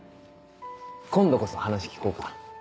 今度こそ話聞こうか。